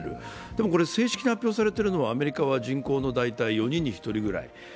でも、これは正式に発表されているのは、アメリカは大体人口の４人に１人ぐらい。